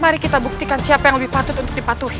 mari kita buktikan siapa yang lebih patut untuk dipatuhi